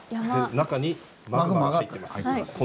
中にマグマが入ってます。